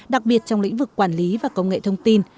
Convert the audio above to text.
đặc biệt trong lĩnh vực quản lý và công nghệ thông tin